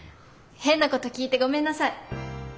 変なこと聞いてごめんなさい。